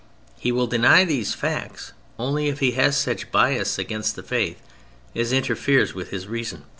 He will deny these facts only if he has such bias against the Faith as interferes with his reason.